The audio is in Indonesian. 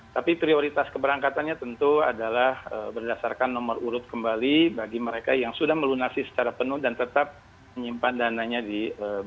tapi prioritas keberangkatannya tentu adalah berdasarkan nomor urut kembali bagi mereka yang sudah melunasi secara penuh dan tetap menyimpan dananya di bpjs